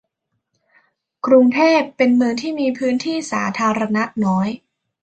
กรุงเทพเป็นเมืองที่มีพื้นที่สาธารณะน้อย